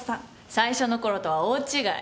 最初の頃とは大違い。